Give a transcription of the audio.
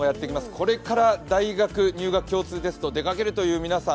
これから大学入学共通テスト出かけるという皆さん